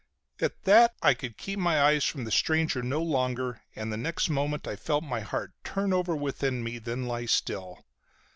At that I could keep my eyes from the stranger no longer, and the next moment I felt my heart turn over within me, then lie still.